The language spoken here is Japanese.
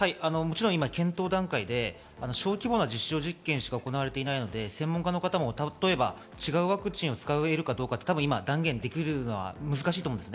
検討段階で小規模な実証実験しか行われていない専門家の方も違うワクチンを使えるかどうか今、断言するのは難しいと思うんです。